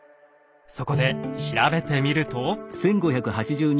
そこで調べてみると。